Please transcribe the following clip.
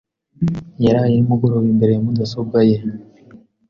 Yaraye nimugoroba imbere ya mudasobwa ye.